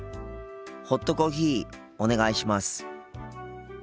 ホットコーヒーお願いします。